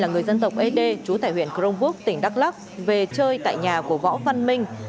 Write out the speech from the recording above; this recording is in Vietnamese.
người dân tộc ế đê trú tại huyện cronvuk tỉnh đắk lắk về chơi tại nhà của võ văn minh